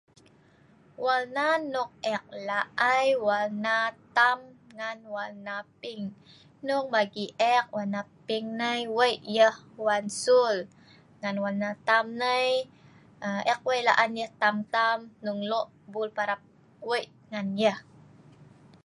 Warna nok ek la' ai walna tam ngan walna ping. Hnong bagi ek walna ping nai wei' yah wan sul. Ngan walna tam nai aa ek wei' laan yah tam-tam hong lo' bul parap wei' ngan yah.